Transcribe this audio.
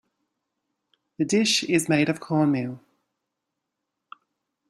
The dish is made of cornmeal.